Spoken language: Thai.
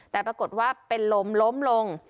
แต่ปรากฏว่าเป็นลมล้มลง